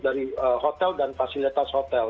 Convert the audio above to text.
dari hotel dan fasilitas hotel